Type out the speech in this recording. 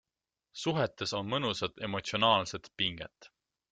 Suhetes on mõnusat emotsionaalset pinget.